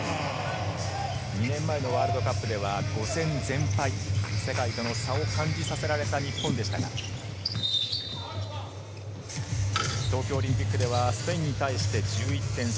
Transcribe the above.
２年前のワールドカップでは、５戦全敗、世界との差を感じさせられた日本でしたが、東京オリンピックではスペインに対して１１点差。